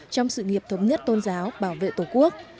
trong sự nghiệp thống nhất tôn giáo bảo vệ tổ quốc